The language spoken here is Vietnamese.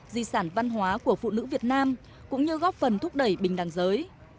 di sản văn hóa của phụ nữ việt nam cũng như góp phần thúc đẩy bình đẳng giới